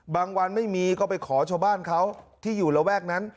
วันไม่มีก็ไปขอชาวบ้านเขาที่อยู่ระแวกนั้น